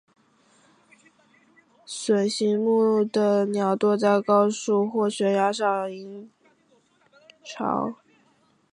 隼形目的鸟多在高树或悬崖上营巢。